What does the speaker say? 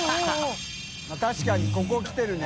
泙確かにここきてるね。